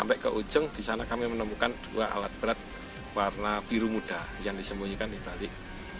sampai ke ujung di sana kami menemukan dua alat berat warna biru muda yang disembunyikan di balik